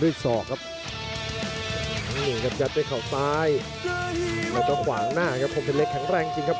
จับจังหวะญาติครับ